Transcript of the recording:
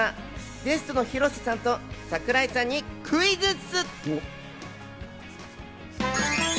ゲストの広瀬さんと櫻井さんにクイズッス！